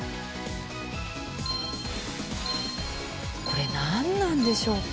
これなんなんでしょうか？